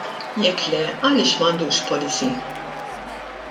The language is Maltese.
Jekk le għaliex m'għandux policy?